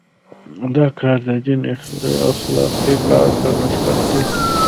دا کار د دین اخلاقي بعد په نسبت دی.